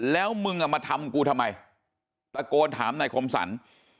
แล้วมึงมาทำกูทำไมตะโกนถามนายคมสรร